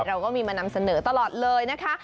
เราก็มีมานำเสนอตลอดเลยนะคะ